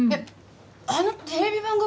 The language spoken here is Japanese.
あのテレビ番組？